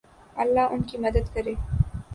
اللہ ان کی مدد کرے